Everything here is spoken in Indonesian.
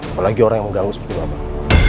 apalagi orang yang mengganggu seperti apa